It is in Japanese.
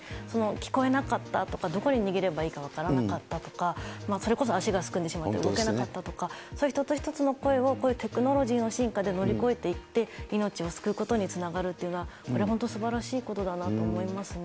聞こえなかったとか、どこに逃げればいいか分からなかったとか、それこそ足がすくんでしまって動けなかったとか、そういう一つ一つの声を、こういうテクノロジーの進化で乗り越えていって、命を救うことにつながるというのは、これ、本当にすばらしいことだなと思いますね。